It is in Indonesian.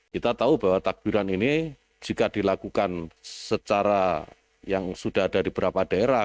kita tahu bahwa takbiran ini jika dilakukan secara yang sudah ada di beberapa daerah